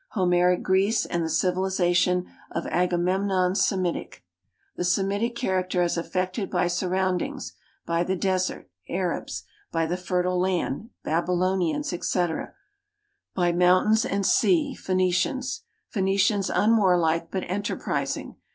Homeric Greece and the civilization of Agamemnon Semitic. The Semitic character as affected by surroundings; by the de.«ert (Arabs); by the fertile land (Babylonians, etc.); by mountains and sea (Phoenicians). Phoenicians unwarlike but enterprising.